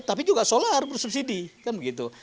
tapi juga solar bersubsidi kan begitu